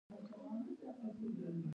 آیا اوبه ولګوو؟